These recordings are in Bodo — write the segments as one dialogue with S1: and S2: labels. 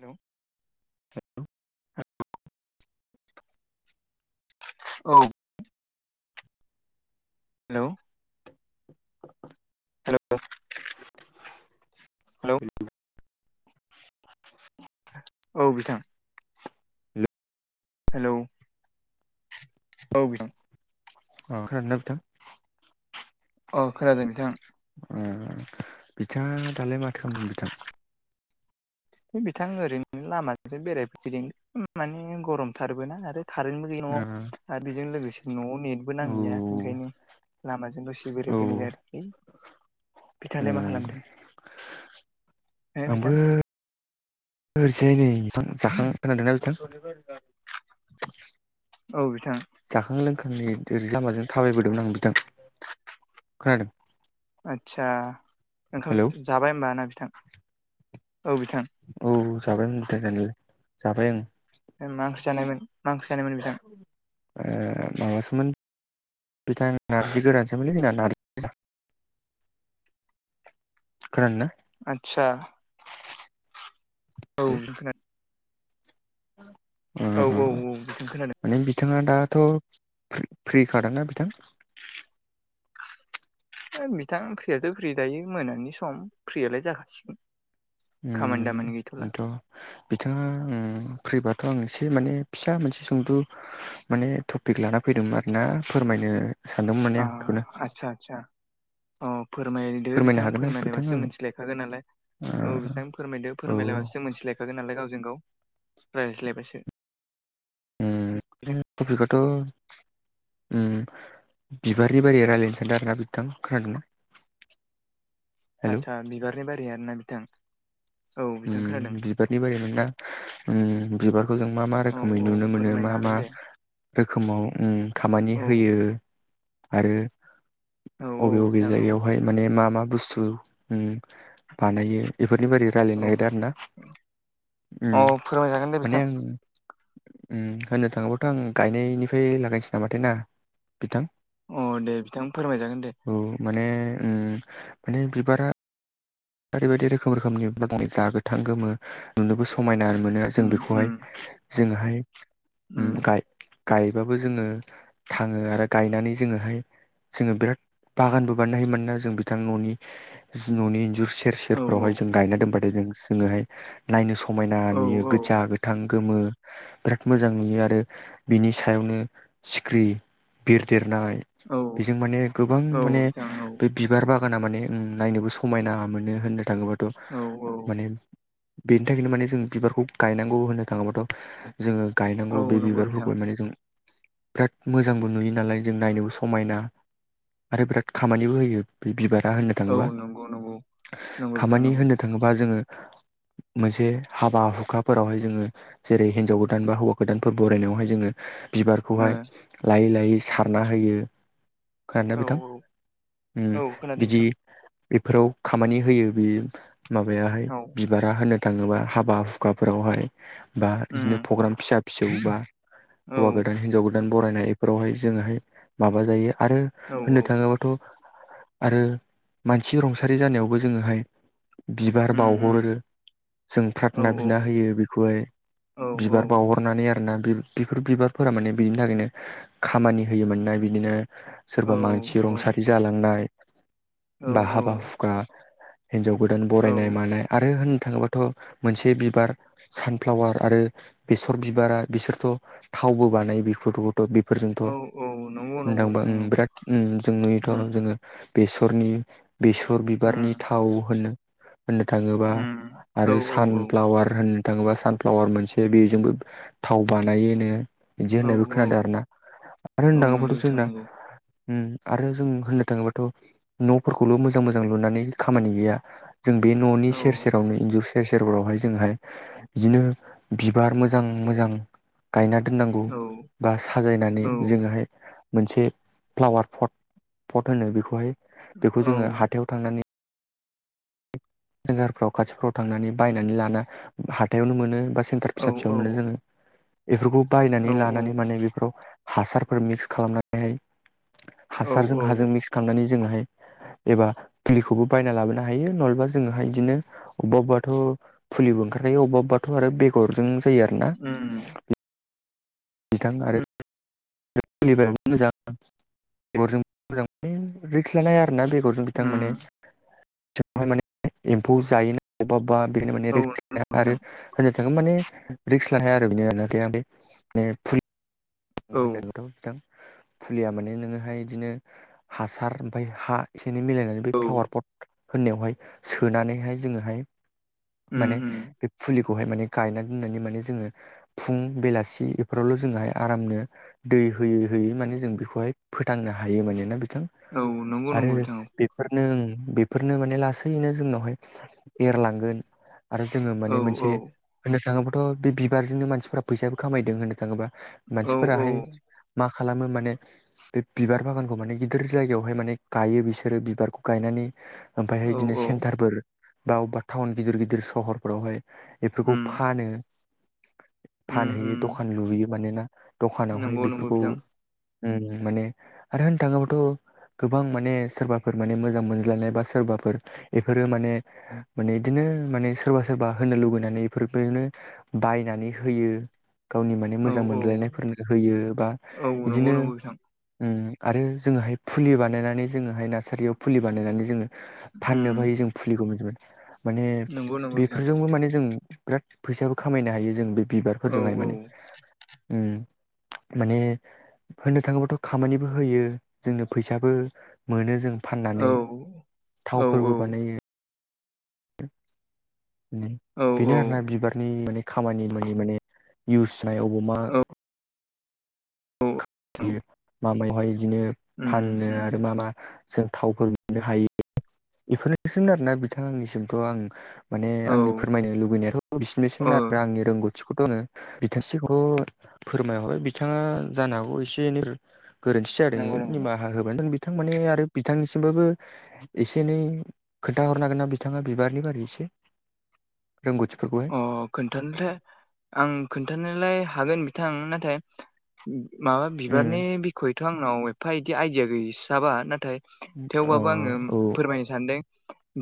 S1: हेलौ
S2: [unintelligible]
S1: औ हेलौ हेल' औ बिथां
S2: हेल'
S1: हेलौ औ बिथां
S2: अ खोनादों ना बिथां
S1: अ खोनादों बिथां
S2: ओ बिथाङा दालाय माथो खामदों बिथां
S1: है बिथां ओरैनो लामाजों बेरायफैदों माने गरमथारबोना आरो कारेन्टबो गैया न'आव आरो बेजों लोगोसे न'आव नेट बो
S2: ओ
S1: नांहैया ओंखायनो लामाजों दसे
S2: औ
S1: बेराय फैनाय जादों लै
S2: उम
S1: नोङो बिथां
S2: ओरैजायनै जाखां खोनादोंना नोंथां
S1: औ बिथां
S2: जाखां लोंखां नै एरै लामाजों थाबायबोदोंमोन आं बिथां खोनादों
S1: आदसा
S2: हेलौ
S1: ओंखाम जाबाय होमबा ना बिथां औ बिथां
S2: औ जाबायमोन बिथां जानायालाय जाबाय ओं
S1: मा ओंख्रा जानायमोन मा ओंख्रि जानायमोन बिथां
S2: माबासोमोन बिथां नारजि गोरानसोमोनलै जोंना नार खोनादोंना
S1: आदसा औ
S2: ओ
S1: [unintelligible]
S2: [inaudible]
S1: औ औ औ बिथां खोनादों
S2: माने बिथाङा दाथ फ्रि फ्रिखा दां ना बिथां
S1: हो बिथां फ्रियाथ फ्रि दायो मोनानि सम फ्रियालाय जाखासिगोन खामानि
S2: उम
S1: दामानि गैथ'ला
S2: बेनोथ' बिथाङा फ्रिबाथ आं एसे माने फिसा मोनसे सोंलु माने टपिक लाना फैदोंमोन आरोना फोरमायनो सानदोंमोन माने
S1: आ
S2: आं बेखौनो
S1: आदसा आदसा अ फोरमायदो
S2: फोरमायनो
S1: बिथां
S2: हागोन ना नोंथां
S1: फोरमायलायबासो
S2: आङो
S1: मिथिलायखागोन नालाय औ बिथां फोरमायदो
S2: ओ औ
S1: फोरमायलायबासो मोनथिलायखागोन नालाय गावजों गाव रायज्लायबासो
S2: उम टपिकगाथ' उम बिबारनि बारि रायलायनो सानदों आरो ना बिथां खोनादों ना [inaudible]
S1: आदसा बिबारनि बारि आरोना बिथां औ बिथां
S2: उम
S1: खोनादों
S2: बिबारनि बारि मोनना उम बिबार जों मा मा
S1: औ
S2: रोखोमै
S1: औ
S2: नुनो मोनो मा
S1: फोरमायनो हागोन
S2: मा?
S1: दे
S2: रोखोमाव ओम खामानि
S1: औ
S2: होयो। आरो
S1: औ औ
S2: बबे बबे
S1: बिथां औ
S2: जायगायावहाय माने मा मा बुस्थु बानायो बेफोरनि बारै
S1: औ
S2: रायलायनो नागिरदों
S1: अ
S2: आरोना
S1: फोरमायजागोन दे
S2: माने
S1: बिथां
S2: आं। होननो थाङोब्लाथ आं गायनायनिफ्राय लागायनोसै नामाथाय ना बिथां
S1: अ दे बिथां फोरमायजागोन दे।
S2: औ माने ओ माने बिबारा ओरैबायदि रोखोम रोखोमनि जा गोथां गोमो। नुनोबो समायना मोनो जों
S1: उम उम
S2: बेखौहाय जोंङोहाय
S1: उम
S2: ओम गाय गायबाबो जोङो थाङो आरो गायनानै जोङोहाय जोङो बिराद बागानबो बानायनो हायो मानोना जों बिथां न'नि न'नि इन्जुर सेर
S1: औ
S2: सेरफ्रावहाय जों गायना दोनबाथाय जों जोङोहाय नायनो समायना
S1: औ
S2: नुयो
S1: औ
S2: गोजा गोथां थां गोमो। बिराद मोजां नुयो आरो बिनि सायावनो सिख्रि बिरदेरनाय बेजों
S1: औ
S2: माने गोबां माने
S1: औ बिथां औ
S2: बे बिबार बागाना माने ओम नायनोबो समायना मोनो होननो थाङोबाथ
S1: औ औ
S2: माने ओ बेनि थाखायनो माने जों बिबारखौ गायनांगौ होननो थाङोबाथ' जोङो
S1: औ
S2: गायनांगौ बे
S1: नंगौ बिथां
S2: बिबारफोरखौ माने जों बिराद मोजांबो नुयो नालाय जों नायनोबो समायना। आरो बिराद खामानिबो होयो बे बिबारा होनोबा
S1: औ नंगौ नंगौ। नंगौ बिथां
S2: खामानि
S1: नंगौ
S2: होननो थाङोबा जोङो मोनसे हाबा हुखाफोरावहाय जोङो जेरै हिनजाव गोदान बा हौवा गोदानफोर बरायनायावहाय जोङो।
S1: ओ
S2: बिबारखौहाय लायै लायै सारना होयो। खोनादों ना
S1: औ
S2: बिथां?
S1: औ खोनादों
S2: बिदि
S1: नोंथां
S2: बेफोराव खामानि होयो बियो बे माबायाहाय
S1: औ
S2: बिबारा होनो थाङोबा हाबा हुखाफोरावहाय बा बिदिनो
S1: उम
S2: पग्राम फिसा फिसौ बा
S1: औ
S2: हौवा गोदान हिनजाव गोदान गोदान बरायनाय बेफोरावहाय जोङोहाय माबा जायो आरो
S1: औ
S2: होननो थाङोब्लाथ' आरो मानसि रुंसारि जानायावबो जोङोहाय। बिबार
S1: उम उम
S2: बावहरो। जों
S1: औ
S2: फ्राधना बिना होयो बेखौहाय
S1: औ औ
S2: बिबार बावहरनानै आरोना बे बि बेफोर बिबारफोरा माने बिदिनि थाखायनो खामानि होयोमोननाय बिदिनो
S1: औ
S2: सोरबा मानसि रुंसारि जालांनाय
S1: औ
S2: बा हाबा हुखा हिनजाव गोदान
S1: औ
S2: बरायनाय मानाय आरो होननो थाङोबाथ' मोनसे बिबार सानफ्लावार आरो बेसर बिबारा बिसोरथ' थावबो बानायो बेखौथ'। थ' बेफोरजोंथ'
S1: औ औ नंगौ नंगौ
S2: होनोथांबा
S1: बिथां
S2: ओम
S1: औ
S2: बिराद जों नुयोथ'
S1: उम
S2: जोङो बेसरनि बेसर
S1: उम
S2: बिबारनि थाव होनो। होननो थाङोबा
S1: उम औ
S2: आरो
S1: औ
S2: सानफ्लावार होनो थाङोबा सानफ्लावार मोनसे बेजोंबो थाव बानायो होनो बिदि
S1: औ
S2: होननायबो
S1: औ
S2: खोनादों आरोना आरो होननो
S1: औ नंगौ
S2: थाङोबाथ'
S1: बिथां
S2: जोंना
S1: नंगौ
S2: आरो जों होननो थाङोबाथ' न'फोरखौल' मोजां मोजां लुनानै खामानि गैया। जों बे न'नि
S1: औ
S2: सेर सेरावनो एन्जुर सेर सेरफोरावहाय जोंहाय बिदिनो बिबार मोजां मोजां। गायना दोननांगौ।
S1: औ
S2: बा साजायनानै
S1: औ
S2: जोङोहाय मोनसे फ्लावार पट पट होनो बेखौहाय बेखौ
S1: औ
S2: जोङो हाथायाव थांनानै। सेन्जारफ्राव खाथिफ्राव थांनानै बायनानै लाना हाथायावनो मोनो बा सेन्टार
S1: औ
S2: फिसा फिसायावनो मोनो जोङो बेफोरखौ बायनानै
S1: औ उम
S2: लानानै
S1: उम
S2: माने बेफोराव हासारफोर मिक्स खालामनानैहाय हासारजों
S1: औ
S2: हाजों मिक्स नानै जोङोहाय एबा फुलिखौबो बायना लाबोनो हायो नहलेबि जोंङोहाय बिदिनो अबा अबबाथ' फुलिबो ओंखारखायो अबेबाथ' आरो बेगरजों फोयो आरो ना
S1: नंगौ
S2: बिथां आरोनिफ्राय मोजां मोजां रिक्स लानो हारा आरो ना बेगरजों बिथां माने बेवहाय माने एम्फौ जायोना अबेबा बबा बेनो माने रिक्स लाया आरो
S1: बिथां
S2: होन थोन माने रिक्स लानो हाया आरो बेनि ओफ्राय माने फलि
S1: औ
S2: होनदोंथ' बिथां फुलिया माने नोङोहाय बिदिनो हासार ओमफ्राय हा एसे एनै मिलायनानै बे
S1: उम
S2: फ्लावार पट होननायावहाय सोनानैहाय जोङोहाय माने
S1: उम
S2: फुलिखौहाय माने गायनानै दोननानै माने जोङो फुं बेलासि बेफोरावल' जोंहाय आरामनो दै होयै होयै माने जों बेखौहाय फोथांनो हायो मानोना बिथां
S1: औ नंगौ
S2: आरो
S1: नंगौ बिथां
S2: बेफोरनो बेफोरनो माने लासैनो जोंनावहाय एरलांगोन आरो जोङो
S1: औ
S2: माने मोनसे
S1: औ
S2: होननो थाङोब्लाथ' बे बिबारजोंनो मानसिफोरा फैसाबो खामायदों होननो थाङोब्ला
S1: औ
S2: मानसिफोराहाय मा खालामो माने बे बिबार बागानखौ माने गिदिर जायगायावहाय माने गायो बिसोरो बिबारखौ गायनानै
S1: औ
S2: ओमफ्रायहाय बिदिनो
S1: औ
S2: सेन्टारफोर बा अबेबा टाउन गिदिर गिदिर सहरफोरावहाय बेफोरखौ
S1: उम
S2: फानो
S1: उम
S2: फानहैयो
S1: उम
S2: दखान लुहैयो मानोना दखानावहाय
S1: नंगौ नंगौ
S2: बेफोरखौ
S1: बिथां
S2: ओ माने आरो होननो थाङोबाथ' गोबां माने सोरबाफोर माने मोजां मोनज्लायनाय बा सोरबाफोर बेफोरो माने माने बिदिनो माने सोरबा सोरबा होनो लुबैनानै बेफोरबायदिनो बायनानै होयो गावनि माने
S1: औ
S2: मोजां
S1: औ
S2: मोनलायनायफोरनो होयो बा
S1: औ नंगौ
S2: बिदिनो
S1: नंगौ बिथां
S2: आरो जोङोहाय फुलि बानायनानै जोङोहाय नार्सारियाव फुलि बानायनानै जोङो
S1: उम
S2: फाननोबो हायो जों फुलिखौ माने
S1: नंगौ नंगौ बिथां
S2: बेफोरजोंबो माने जों बिराद फैसाबो खामायनो हायो जों बे
S1: औ
S2: बिबारफोरजोंहाय माने उम माने होननो थाङोबाथ' खामानिबो होयो जोंनो फैसाबो मोनो जों
S1: औ
S2: फाननानै
S1: औ
S2: थावफोरबो बानायो
S1: औ
S2: बेनो आरोना बिबारनि माने खामानि मानि माने इउस होननाय अबाव मा
S1: औ
S2: मा मायावहाय बिदिनो
S1: उम
S2: फानो
S1: उम
S2: आरो मा मा जों थावफोर बिनो हायो बेफोरनोसै आरोना बिथां आंनिसिमथ' आं माने
S1: औ
S2: आंनि फोरमायनो लुबैनायाथ'
S1: ओ
S2: बिसिनिसैमोन आरो आंनि रोंगौथि रोगौथिखौथ फोरमायहरबाय बिथाङा जानो हागौ एसे एनै गोरोन्थि जादों
S1: नंगौ नंगौ
S2: निमाहा होबानो बिथां माने आरो बिथांनिसिमबाबो एसे एनै खोन्थााहरनो हागोन ना बिथाङा बिबारनि बारै एसे रोंगौथिफोरखौहाय
S1: अ खोन्थानोलाय आं खोन्थानोलाय हागोन बिथां नाथाय माबा
S2: उम
S1: बिबारनि बिखयथ' आंनाव एफा इदि आइडिया गैसाबा नाथाय
S2: अ
S1: थेवबाबो आङो
S2: औ
S1: फोरमायनो सानदों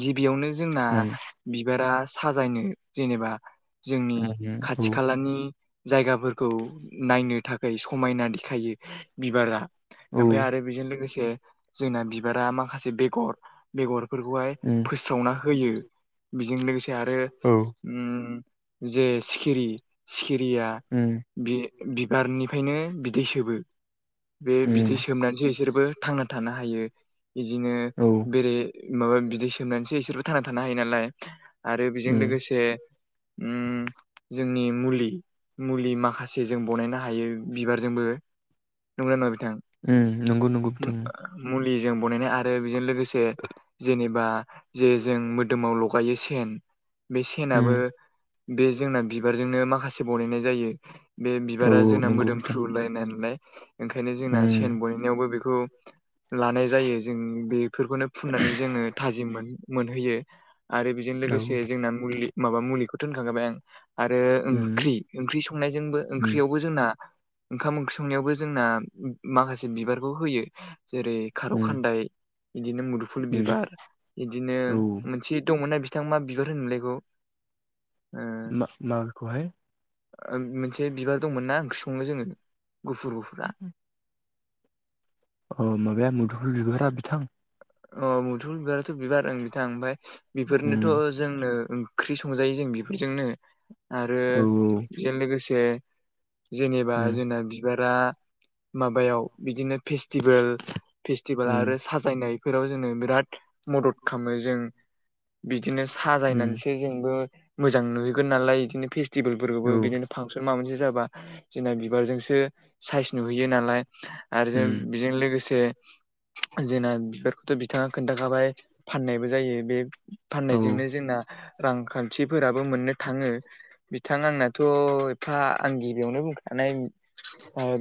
S1: गिबियावनो जोंना
S2: नंगौ
S1: बिबारा साजायनो जेनेबा जोंनि
S2: औ
S1: खाथि खालानि जायगाफोर खौ नायनो थाखाय समायना देखायो बिबारा
S2: औ
S1: ओमफ्राय आरो बेजों लोगोसे जोंना बिबारा माखासे बेगर बेगरफोरखौहाय
S2: उम
S1: फोस्रावना होयो बेजों लोगोसे आरो
S2: औ
S1: जे सिखिरि सिखिरिया
S2: उम
S1: बि बिबारनिफ्रायनो बिदै सोबो बे
S2: उम
S1: बिदै सोबनानैसो बिसोरबो थांना थानो हायो बिदिनो
S2: औ
S1: बेरे माबा बिदै सोंबनानैसो इसोरबो थांना थानो हायो नालाय आरो बेजों
S2: उम
S1: लोगोसे से ओम जोंनि मा मुलि मुलि माखा से जों बानायनो हायो बिबारजोंबो नंगौ ना नङा बिथां
S2: नंगौ नंगौ बिथां उम
S1: मुलिजों बनायनाय आरो बेजों लोगोसे जेनेबा जे जों मोदोमाव लगायो सेन बे सेनाबो
S2: उम
S1: बे जोंना बिबारजोंनो माखासे बनायनाय जायो बे
S2: औ
S1: बिबारा जोंना
S2: नंगौ बिथां
S1: मोदोमफ्रुलायनाय नालाय ओंखायनो जोंना
S2: उम
S1: सेन बानायनाय बो बेखौ लानाय जायो जों बे फोरखौनो फुननानै जोङो थाजिम मोनहैयो आरो बेजों
S2: औ
S1: लोगोसे जोंना मुलि माबा मुलिखौथ होनखांखाबाय आं आरो
S2: उम
S1: ओंख्रि ओंख्रि संनायावबो
S2: उम
S1: संनायजोंबो जोंना ओंखाम ओंख्रिं संनायावबो जोंना माखासे बिबारखौ होयो जेरै खार
S2: उम
S1: खान्दाय बिदिनो मुदुफुल
S2: उम
S1: बिबार बिदिनो
S2: औ
S1: मोनसे दंमोनना बिथां मा बिबार होनोमोनलाय बेखौ
S2: मा माबेखौहाय
S1: मोनसे बिबार दंमोनना ओंख्रि सङो जोङो गुफुर गुफु
S2: उम-उम अ माबाया मुदुफल बिबारा बिथां
S1: अ मुदुफुल बिबाराथ' बिबार बिथां ओमफ्राय
S2: उम
S1: बेफोरनोथ' जोंनो ओंख्रि संजायो जों बेफोरजोंनो आरो
S2: औ
S1: बेजों लोगोसे जेनेबा
S2: उम
S1: जोंना बिबारा माबायाव बिदिनो फेस्टिभेल फेस्टिभेल
S2: उम
S1: आरो साजायनायफोराव जोङो बिराद मदद खालामो जों बिदिनो
S2: उम
S1: साजायनानैसो मोजां नुगोन नालाय बिदिनो फेसतिबेल फोरावबो
S2: औ
S1: बिदिनो फांसन बेफोर माबा मोनसे जाबा जोंना बिबारजोंसो साइस नुहैयो नालाय आरो ज
S2: उम
S1: बेजों लोगोसे जोंना बे बिथाङा खोन्थाखाबाय फाननायबो जायो बे
S2: औ
S1: फाननायजोंनो जोंना रांखान्थिफोराबो मोननो थाङो बिथां आंनाथ' एफा आं गिबियावनो बुंखानाय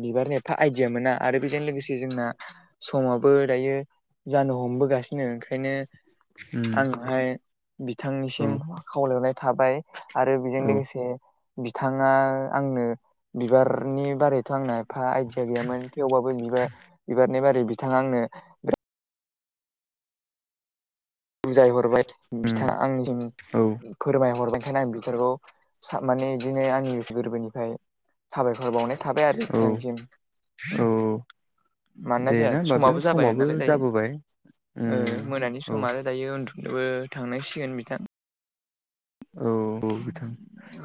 S1: बिबारनि एफा आइदिया मोना आरो बेजों लोगोसे जोंना समावबो दायो जानो हमबोगासिनो ओंखायनो
S2: उम
S1: आङोहाय
S2: औ
S1: बिथांनिसिम खावलायनाय थाबाय आरो बेजों
S2: औ
S1: लोगोसे बिथाङा आंनो बिबारनि बारैथ' आंनो एफा आइडिया गैयामोन थेवबाबो बिबार बिबारनि बारै बिथाङा आंनो बुजायहरबाय बिथाङा
S2: उम
S1: आं दिनि
S2: औ
S1: फोरमायहरनायखायनो आं बिसोरखौ माने बिदिनो आंनि गोसो गोरबोनिफ्राय साबायखर बावनाय थाबाय आरो
S2: औ
S1: बिथांनिसिम [inaudible]
S2: औ
S1: मानोना
S2: दे
S1: जाया
S2: ना होमबा बिथां
S1: समाबो जाबाय नालाय दायो
S2: जाबोबाय उम
S1: मोनानि
S2: औ
S1: सम आरो दायो उन्दुनोबो थांनांसिगोन बिथां
S2: औ-औ बिथां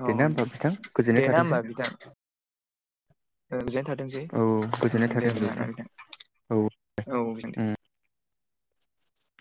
S1: औ
S2: देना होमबा बिथां
S1: दे
S2: गोजोननाय
S1: ना
S2: थाथोंसै
S1: होमबा बिथां गोजोननाय थाथोंसै
S2: औ गोजोननाय
S1: उम दे
S2: थाथों
S1: होमबा
S2: बिथां औ
S1: नोंथां औ दे
S2: उम